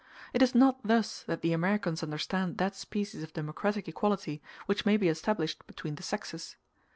It is not thus that the Americans understand that species of democratic equality which may be established between the sexes.